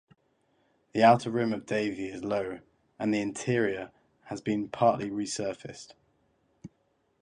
The outer rim of Davy is low, and the interior has been partly resurfaced.